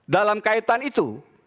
dalam kaitan itu